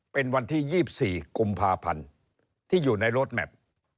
เป็นวันที่๒๔กุมภาพันธ์ที่อยู่ในรถแมพ